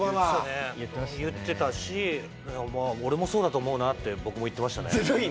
言ってたし俺もそうだと思うなって僕も言ってましたね。